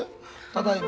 ただいま。